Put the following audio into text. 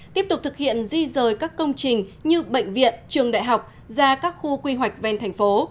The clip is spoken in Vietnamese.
tiếp tục thực hiện di rời các công trình như bệnh viện trường đại học ra các khu quy hoạch ven thành phố